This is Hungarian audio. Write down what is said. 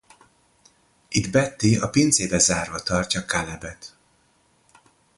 Itt Betty a pincébe zárva tartja Calebet.